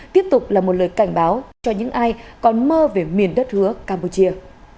tiếp tục là một lời cảnh báo cho những ai còn mơ về miền đất hứa campuchia